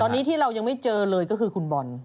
ตอนนี้ที่เรายังไม่เจอเลยก็คือคุณบอล